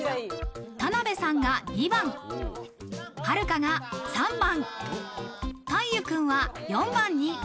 田辺さんが２番、はるかが３番、大祐君は４番に。